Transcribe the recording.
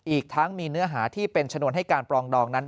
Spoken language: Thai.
อีกทั้งมีเนื้อหาที่เป็นชนวนให้การปรองดองนั้น